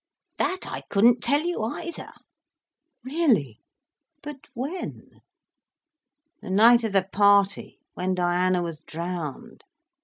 "That I couldn't tell you, either." "Really! But when?" "The night of the party—when Diana was drowned.